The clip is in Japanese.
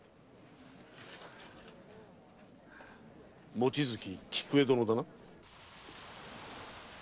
望月菊絵殿だな？